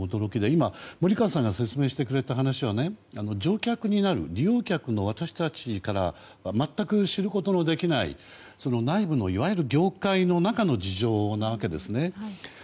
今、森川さんが説明してくれた話は乗客になる利用客の私たちからは全く知ることのできない内部の、いわゆる業界の中の事情なわけですね。